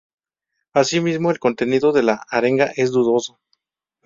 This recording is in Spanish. Asimismo el contenido de la arenga es dudoso.